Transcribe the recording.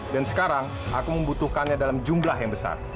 dan sekarang aku membutuhkannya dalam jumlah yang besar